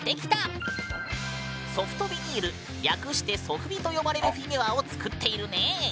ソフトビニール略してソフビと呼ばれるフィギュアを作っているね。